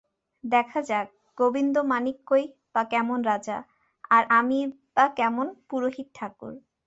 দেখা যাক, গোবিন্দমাণিক্যই বা কেমন রাজা, আর আমিই বা কেমন পুরোহিত-ঠাকুর।